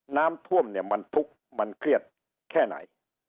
น้ำท่วมเนี่ยมันทุกข์มันเครียดแค่ไหน